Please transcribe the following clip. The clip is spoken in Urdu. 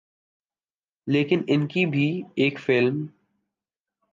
لیکن ان کی بھی ایک فلم